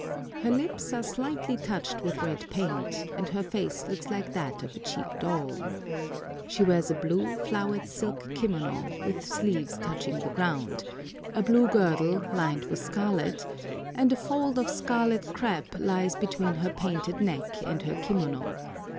Her lips are slightly touched with red paint, and her face looks like that of a cheap doll. She wears a blue, flowered silk kimono, with sleeves touching the ground, a blue girdle lined with scarlet, and a fold of scarlet crépe lies between her painted neck and her kimono.